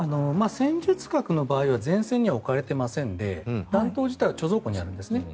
戦術核の場合は前線には置かれていませんで弾頭自体は貯蔵庫にあるんですね。